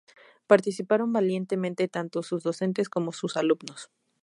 Participaron valientemente tanto sus docentes como sus alumnos.